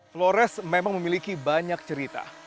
flores memang memiliki banyak cerita